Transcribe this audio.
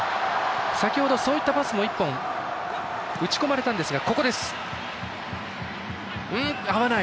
先ほどそういったパスも１本、打ちこまれたんですが。